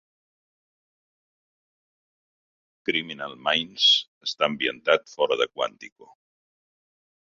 "Criminal Minds" està ambientat fora de Quantico.